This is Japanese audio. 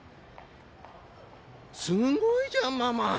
すごいじゃんママ。